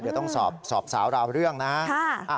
เดี๋ยวต้องสอบสาวราวเรื่องนะ